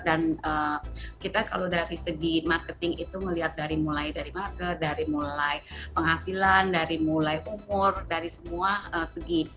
dan kita kalau dari segi marketing itu melihat dari mulai dari market dari mulai penghasilan dari mulai umur dari semua segi